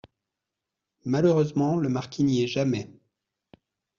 Malheureusement, le marquis n’y est jamais !